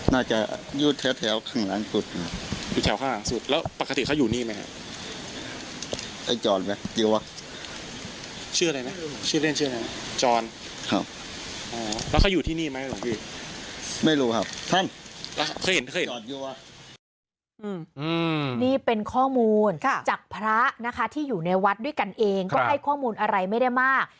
นี่เป็นข้อมูลจากพระนะคะที่อยู่ในวัดด้วยกันเองก็ให้ข้อมูลอะไรไม่ได้มาก